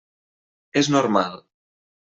És normal.